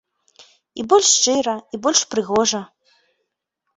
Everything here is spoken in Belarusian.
І больш шчыра, і больш прыгожа.